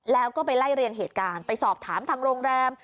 แล้วก็ไปไล่เรียงเหตุการณ์ไปสอบถามทางโรงแรม